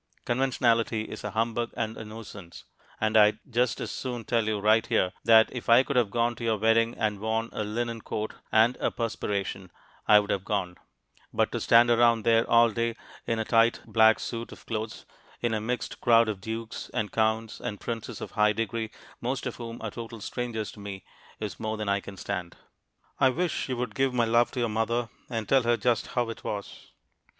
Conventionality is a humbug and a nuisance, and I'd just as soon tell you right here that if I could have gone to your wedding and worn a linen coat and a perspiration, I would have gone; but to stand around there all day in a tight black suit of clothes, in a mixed crowd of dukes, and counts, and princes of high degree, most of whom are total strangers to me, is more than I can stand. I wish you would give my love to your mother and tell her just how it was.